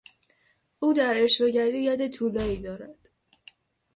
او در عشوهگری ید طولایی دارد.